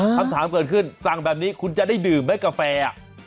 คำถามเกิดขึ้นสั่งแบบนี้คุณจะได้ดื่มไหมกาแฟ